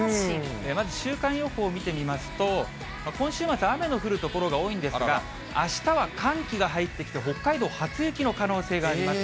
まず週間予報を見てみますと、今週末、雨の降る所が多いんですが、あしたは寒気が入ってきて、北海道、初雪の可能性があります。